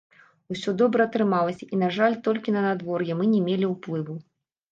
Усё добра атрымалася, і, на жаль, толькі на надвор'е мы не мелі ўплыву.